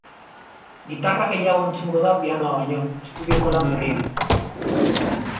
Gitarra gehiago entzungo da pianoa baino, estudioko lan berrian.